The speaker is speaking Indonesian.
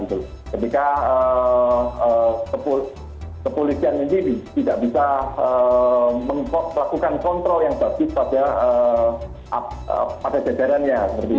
ketika kepolisian ini tidak bisa melakukan kontrol yang basis pada jadarannya